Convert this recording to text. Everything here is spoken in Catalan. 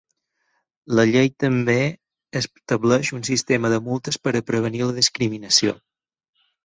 La llei també estableix un sistema de multes per a prevenir la discriminació.